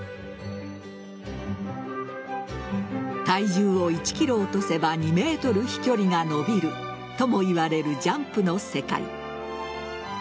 体重を１ｋｇ落とせば２ｍ飛距離が伸びるともいわれるジャンプの世界。